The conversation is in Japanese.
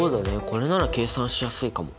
これなら計算しやすいかも。